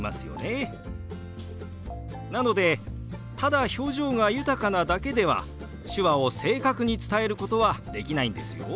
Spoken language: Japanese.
なのでただ表情が豊かなだけでは手話を正確に伝えることはできないんですよ。